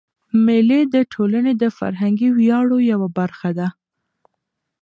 مېلې د ټولني د فرهنګي ویاړو یوه برخه ده.